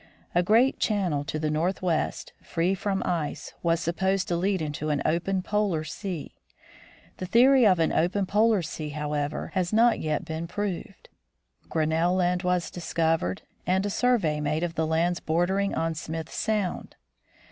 A great channel to the northwest, free from ice, was supposed to lead into an open polar sea. The theory of an open polar sea, however, has not yet been proved. Grinnell Land was discovered, and a survey made of the lands bordering on Smith sound.